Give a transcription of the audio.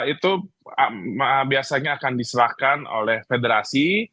itu biasanya akan diserahkan oleh federasi